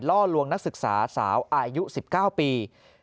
ล่อลวงนักศึกษาสาวอายุ๑๙ปี